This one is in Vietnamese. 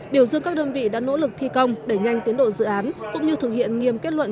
biểu dương các đơn vị đã nỗ lực thi công đẩy nhanh tiến độ dự án cũng như thực hiện nghiêm kết luận